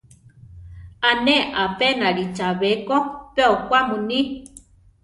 A ne apénali chabé ko pe okwá muní.